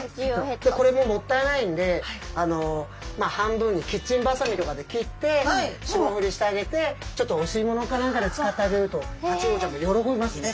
これももったいないんで半分にキッチンばさみとかで切って霜降りしてあげてちょっとお吸い物かなんかで使ってあげるとタチウオちゃんも喜びますね